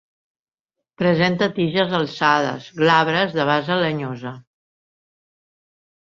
Presenta tiges alçades, glabres, de base llenyosa.